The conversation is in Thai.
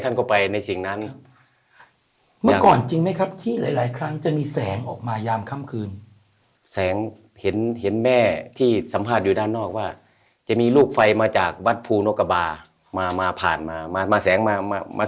เข้าไปในสิ่งนั้นเมื่อก่อนจริงไหมครับที่หลายหลายครั้งจะมีแสงออกมายามค่ำคืนแสงเห็นเห็นแม่ที่สัมภาษณ์อยู่ด้านนอกว่าจะมีลูกไฟมาจากวัดภูนกบามามาผ่านมามาแสงมามา